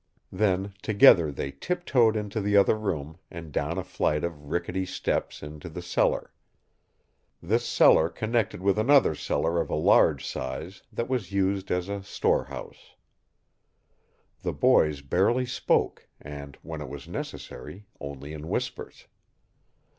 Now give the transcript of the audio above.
Then together they tiptoed into the other room and down a flight of rickety steps into the cellar. This cellar connected with another cellar of large size that was used as a storehouse. The boys barely spoke and, when it was necessary, only in whispers.